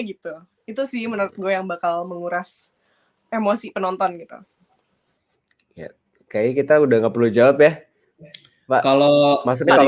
gitu itu sih menurut gue yang bakal menguras emosi penonton gitu kayak kita udah nggak perlu jawab ya